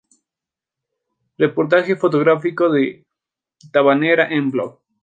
Reportaje fotográfico de Tabanera en Blog.